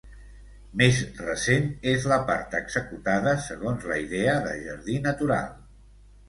Més recent és la part executada segons la idea de jardí natural.